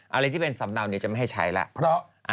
อะไรที่เป็นสำเนานี้จะไม่ให้ใช้แล้ว